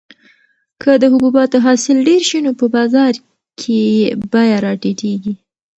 که د حبوباتو حاصل ډېر شي نو په بازار کې یې بیه راټیټیږي.